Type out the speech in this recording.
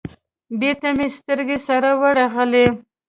بېرته مې سترگې سره ورغلې.